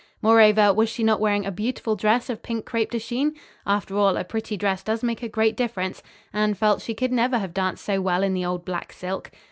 Moreover, was she not wearing a beautiful dress of pink crepe de Chine? After all a pretty dress does make a great difference. Anne felt she could never have danced so well in the old black silk.